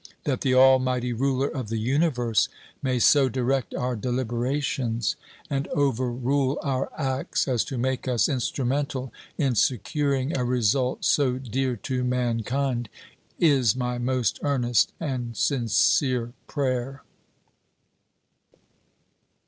That the Almighty Ruler of the Universe may so direct our deliberations and over rule our acts as to make us instrumental in securing a result so dear to mankind is my most earnest and sincere prayer.